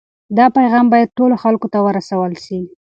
دا پیغام باید ټولو خلکو ته ورسول سي.